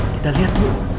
kita lihat dulu